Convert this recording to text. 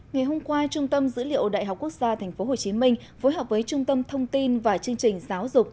ngày hôm qua trung tâm dữ liệu đại học quốc gia tp hcm phối hợp với trung tâm thông tin và chương trình giáo dục